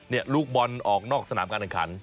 นี่ลูกบอลออกนอกสนามการแข่งขัน